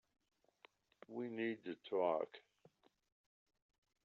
We need to talk.